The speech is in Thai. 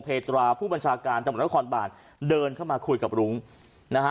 ตราผู้บัญชาการตำรวจนครบานเดินเข้ามาคุยกับรุ้งนะฮะ